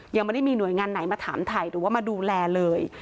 ยังไม่ได้มีหน่วยงานไหนมาถามถ่ายหรือว่ามาดูแลเลย